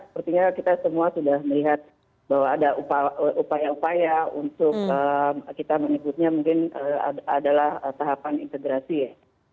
sepertinya kita semua sudah melihat bahwa ada upaya upaya untuk kita menyebutnya mungkin adalah tahapan integrasi ya